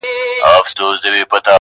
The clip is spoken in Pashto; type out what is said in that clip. • ويل مه كوه پوښتنه د وگړو -